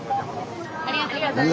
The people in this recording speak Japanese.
ありがとうございます。